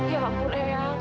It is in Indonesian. ya ampun eang